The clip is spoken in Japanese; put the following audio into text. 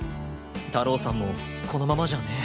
太郎さんもこのままじゃね。